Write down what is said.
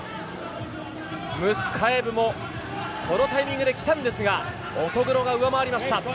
ムスカエブもこのタイミングで来たんですが乙黒が上回りました。